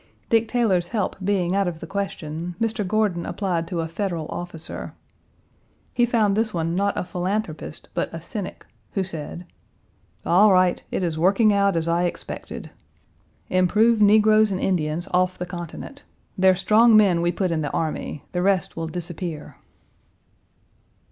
Dick Taylor's help being out of the question, Mr. Gordon applied to a Federal officer. He found this one not a philanthropist, but a cynic, who said: "All right; it is working out as I expected. Improve negroes and Indians Page 228 off the continent. Their strong men we put in the army. The rest will disappear."